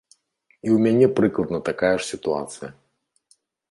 І ў мяне прыкладна такая ж сітуацыя.